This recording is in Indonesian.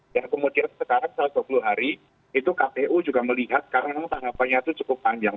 dan kemudian sekarang satu ratus dua puluh hari itu kpu juga melihat karena tanggalnya itu cukup panjang